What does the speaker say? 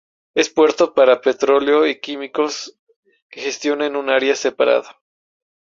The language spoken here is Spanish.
Es Puerto para petróleo y químicos que gestiona en un área separada.